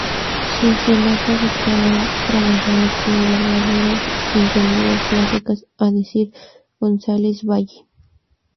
Sus sonatas estaban trabajadas como verdaderas sinfonías clásicas a decir de González Valle.